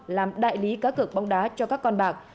làm đại lý cá cược bóng đá cho các con bạc